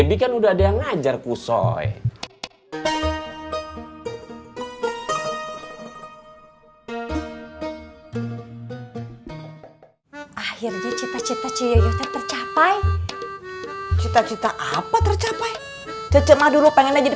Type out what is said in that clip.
biar kusoy akhirnya cita cita ciyoyote tercapai cita cita apa tercapai cc maduro pengennya jadi